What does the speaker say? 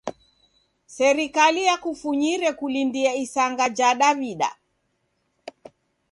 Serikali yakufunyire kulindia isanga ja Daw'ida.